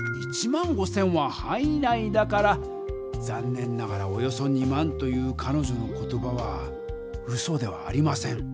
１５０００ははんい内だからざんねんながらおよそ２万というかのじょの言葉はうそではありません。